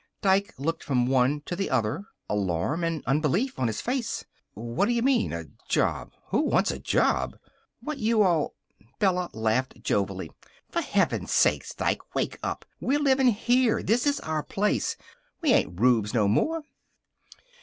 Dike looked from one to the other, alarm and unbelief on his face. "What d'you mean, a job? Who wants a job! What you all " Bella laughed jovially. "F'r heaven's sakes, Dike, wake up! We're livin' here. This is our place. We ain't rubes no more."